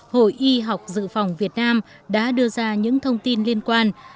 hội y học dự phòng việt nam đã đưa ra những thông tin liên quan